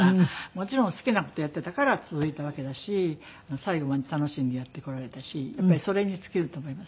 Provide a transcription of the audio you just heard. もちろん好きな事やっていたから続いたわけだし最後まで楽しんでやってこられたしやっぱりそれに尽きると思います。